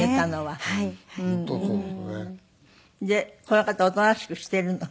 この方おとなしくしているの？